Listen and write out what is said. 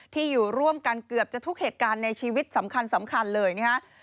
อยู่ร่วมกันเกือบจะทุกเหตุการณ์ในชีวิตสำคัญเลยนะฮะ